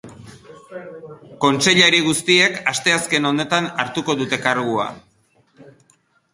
Kontseilari guztiek asteazken honetan hartuko dute kargua.